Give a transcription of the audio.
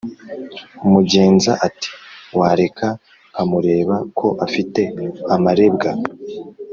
Mugenza ati"wareka nkamureba ko afite amarebwa"